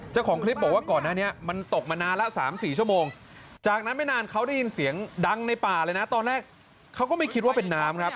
เจ้าของคลิปบอกว่าก่อนหน้านี้มันตกมานานละ๓๔ชั่วโมงจากนั้นไม่นานเขาได้ยินเสียงดังในป่าเลยนะตอนแรกเขาก็ไม่คิดว่าเป็นน้ำครับ